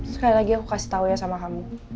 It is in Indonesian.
sekali lagi aku kasih tau ya sama kamu